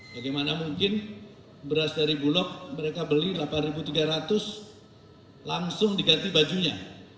bagaimana mungkin beras dari bulog mereka beli rp delapan tiga ratus langsung diganti bajunya